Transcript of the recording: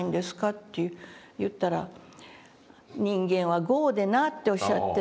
って言ったら「人間は業でな」っておっしゃってね。